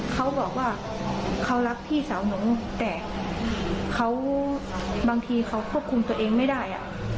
เขาบอกว่าเขารักพี่สาวหนูแต่เขาบางทีเขาควบคุมตัวเองไม่ได้